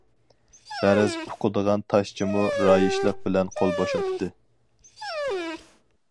غەرەز ئۇقىدىغان تاشچىمۇ رايىشلىق بىلەن قول بوشاتتى.